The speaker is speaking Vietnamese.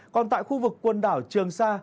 còn tại khu vực quần đảo trường sa